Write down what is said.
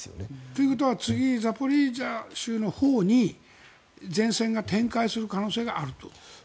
ということは次はザポリージャ州のほうに前線が展開する可能性があるということ？